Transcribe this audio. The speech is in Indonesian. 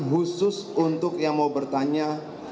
khusus untuk yang mau bertanya